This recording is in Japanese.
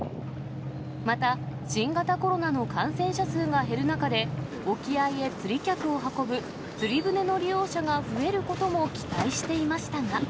また、新型コロナの感染者数が減る中で、沖合へ釣り客を運ぶ釣り船の利用者が増えることも期待していましたが。